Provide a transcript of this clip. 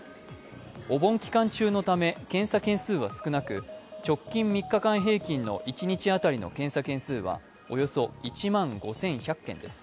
お盆期間中のため検査件数は少なく、直近３日間平均の一日当たりの検査件数はおよそ１万５１００件です。